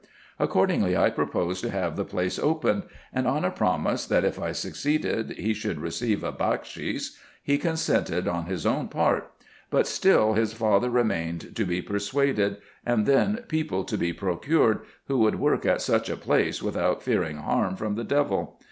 Accordingly I proposed to have the place opened ; and on a promise, that, if I succeeded, he should receive a bakshis, he consented on his own part ; but still his father remained to be persuaded, and then people to be procured, who would work at such a place without fearing harm from the devil.